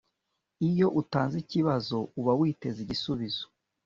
Iyo utanze ikibazo uba witeze igisubizo